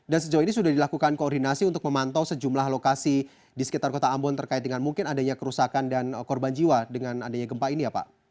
dan sejauh ini sudah dilakukan koordinasi untuk memantau sejumlah lokasi di sekitar kota ambon terkait dengan mungkin adanya kerusakan dan korban jiwa dengan adanya gempa ini